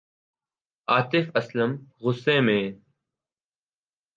آطف اسلم غصے میں